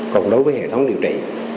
còn đối với hệ thống điều trị